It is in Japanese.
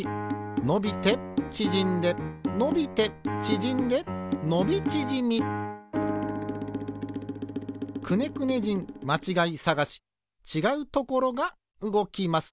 のびてちぢんでのびてちぢんでのびちぢみ「くねくね人まちがいさがし」ちがうところがうごきます。